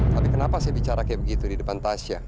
tapi kenapa saya bicara kayak begitu di depan tasya